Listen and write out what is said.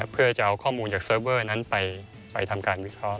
เพื่อจะเอาข้อมูลจากเซิร์ฟเวอร์นั้นไปทำการวิเคราะห